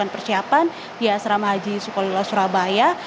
dan perjalanan yang diperlukan persiapan di asrama haji sukolilo surabaya